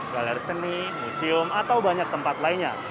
galeri seni museum atau banyak tempat lainnya